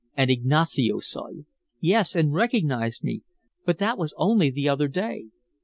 "And Ignacio saw you?" "Yes, and recognized me. But that was only the other day."